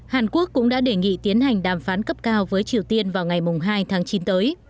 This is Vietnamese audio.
hàn quốc cũng đã đề nghị tiến hành đàm phán cấp cao với triều tiên vào ngày hai tháng chín tới